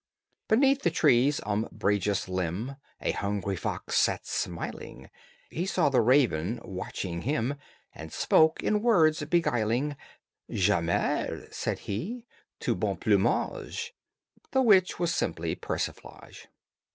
Beneath the tree's umbrageous limb A hungry fox sat smiling; He saw the raven watching him, And spoke in words beguiling. "J'admire," said he, "ton beau plumage." (The which was simply persiflage.)